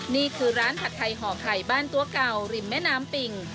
นี่คือร้านผัดไทยห่อไข่บ้านตัวเก่าริมแม่น้ำปิ่ง